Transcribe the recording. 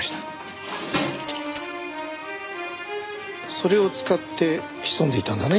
それを使って潜んでいたんだね？